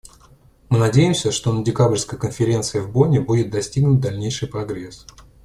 Мы надеемся, что на декабрьской конференции в Бонне будет достигнут дальнейший прогресс.